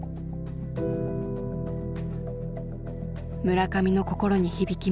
村上の心に響きます。